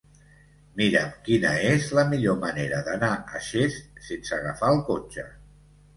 Mira'm quina és la millor manera d'anar a Xest sense agafar el cotxe.